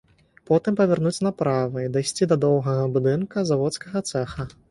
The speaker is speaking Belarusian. Потым павярнуць направа і дайсці да доўгага будынка заводскага цэха.